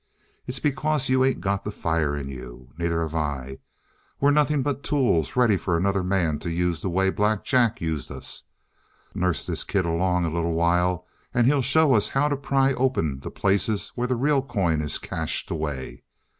It's because you ain't got the fire in you. Neither have I. We're nothing but tools ready for another man to use the way Black Jack used us. Nurse this kid along a little while, and he'll show us how to pry open the places where the real coin is cached away.